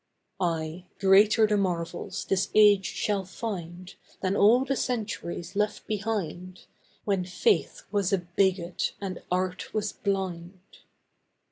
Ay, greater the marvels this age shall find Than all the centuries left behind, When faith was a bigot and art was blind.